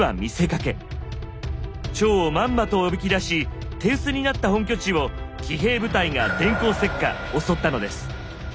趙をまんまとおびき出し手薄になった本拠地を騎兵部隊が電光石火襲ったのです。